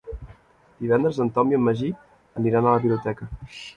Divendres en Tom i en Magí aniran a la biblioteca.